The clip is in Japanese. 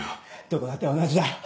どこだって同じだ！